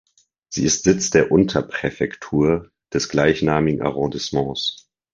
Sie ist Sitz der Unterpräfektur des gleichnamigen Arrondissements.